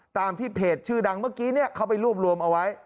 ตามที่เพจชื่อดังเมื่อกี้เขาไปรวบรวมเอาไว้